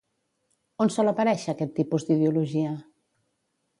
On sol aparèixer aquest tipus d'ideologia?